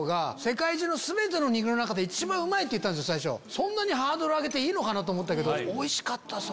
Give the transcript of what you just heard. そんなにハードル上げていいのかなと思ったけどおいしかった。